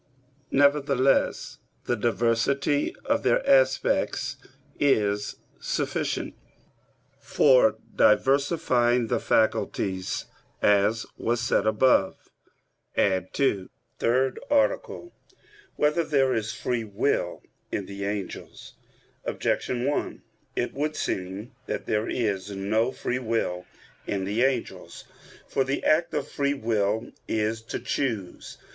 Nevertheless, the diversity of their aspects is sufficient for diversifying the faculties, as was said above (ad 2). _______________________ THIRD ARTICLE [I, Q. 59, Art. 3] Whether There Is Free Will in the Angels? Objection 1: It would seem that there is no free will in the angels. For the act of free will is to choose.